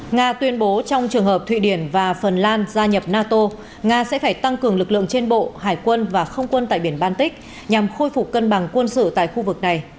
nga tuyên bố trong trường hợp thụy điển và phần lan gia nhập nato nga sẽ phải tăng cường lực lượng trên bộ hải quân và không quân tại biển baltic nhằm khôi phục cân bằng quân sự tại khu vực này